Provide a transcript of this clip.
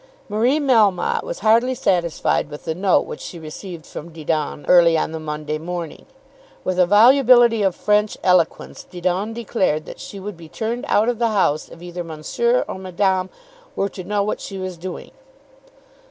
Marie Melmotte was hardly satisfied with the note which she received from Didon early on the Monday morning. With a volubility of French eloquence, Didon declared that she would be turned out of the house if either Monsieur or Madame were to know what she was doing.